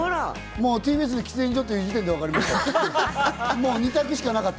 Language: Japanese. ＴＢＳの喫煙所っていう時点で分かりました。